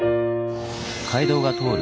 街道が通る